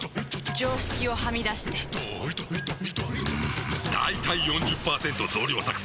常識をはみ出してんだいたい ４０％ 増量作戦！